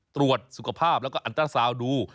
ตรวจสุขภาพแล้วก็อันเตอร์สาวดู